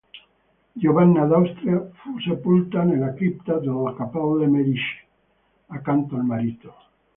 Giovanna d'Austria fu sepolta nella cripta delle Cappelle Medicee accanto al marito.